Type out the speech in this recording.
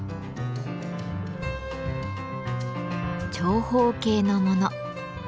長方形のもの。